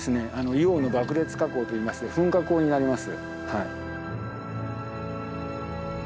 硫黄の爆裂火口といいまして噴火口になります。